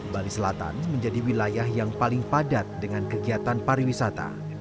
bali selatan menjadi wilayah yang paling padat dengan kegiatan pariwisata